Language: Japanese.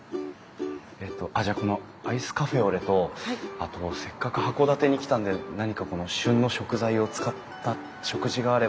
えっとじゃあこのアイスカフェオレとあとせっかく函館に来たんで何か旬の食材を使った食事があれば。